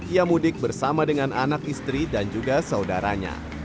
ia mudik bersama dengan anak istri dan juga saudaranya